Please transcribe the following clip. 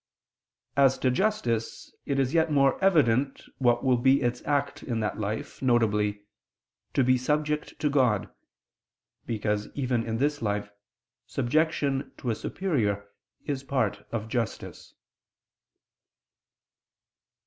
As to justice, it is yet more evident what will be its act in that life, viz. "to be subject to God": because even in this life subjection to a superior is part of justice.